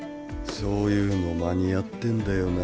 そういうの間に合ってんだよな。